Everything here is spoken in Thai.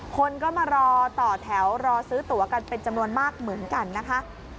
คนก็มารอต่อแถวรอซื้อตัวกันเป็นจำนวนมากเหมือนกันนะคะ